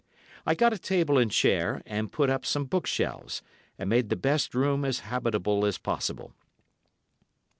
I got a table and chair, and put up some book shelves, and made the best room as habitable as possible.